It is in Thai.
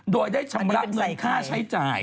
โดยได้ชำระเงินค่าใช้จ่าย